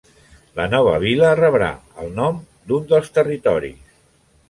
La nova vila rebrà el nom d'un dels territoris.